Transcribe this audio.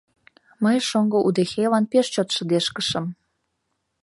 Мый шоҥго удэхейлан пеш чот шыдешкышым.